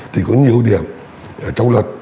thì có nhiều điểm trong luật